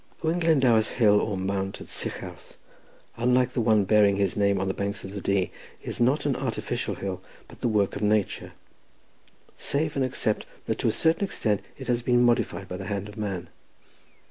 Owen Glendower's hill, or mount, at Sycharth, unlike the one bearing his name on the banks of the Dee, is not an artificial hill, but the work of nature, save and except that to a certain extent it has been modified by the hand of man.